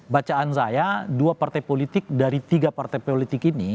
bacaan saya dua partai politik dari tiga partai politik ini